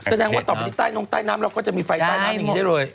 แต่นั่งว่าต่อไปนี้ใต้น้ำเราก็จะมีไฟด้วย